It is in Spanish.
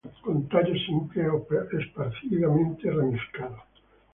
Con tallos simples o esparcidamente ramificados.